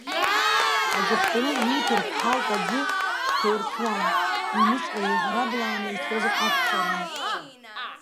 Аҵыхәтәаны иуҭар ԥҳалк аӡы ҭаирцәуан, иҩныҵҟа еиӷрыблааны ицозар акәхарын.